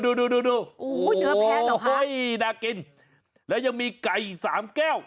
โอ้โหเนื้อแพะหรอคะโอ้โหน่ากินแล้วยังมีไก่๓แก้ว